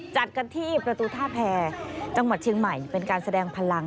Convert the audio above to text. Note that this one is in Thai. จัดกันที่ประตูท่าแพรจังหวัดเชียงใหม่เป็นการแสดงพลัง